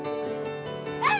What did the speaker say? あ！